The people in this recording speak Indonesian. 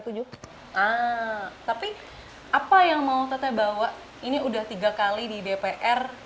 nah tapi apa yang mau tete bawa ini udah tiga kali di dpr